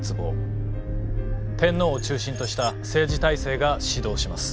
天皇を中心とした政治体制が始動します。